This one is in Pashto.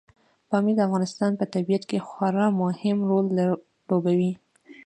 پامیر د افغانستان په طبیعت کې خورا مهم رول لوبوي.